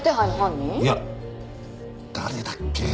いや誰だっけ？